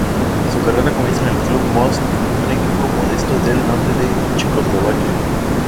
Su carrera comienza en el Club Most un equipo modesto del norte de Checoslovaquia.